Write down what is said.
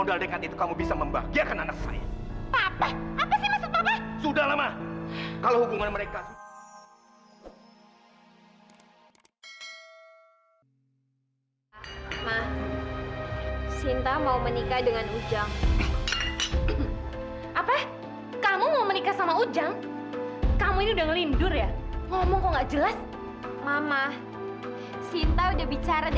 saksikan series ipa dan ips di gtv